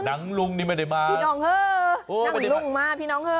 ลุงนี่ไม่ได้มาพี่น้องเหอะนั่งลุงมาพี่น้องเฮ้อ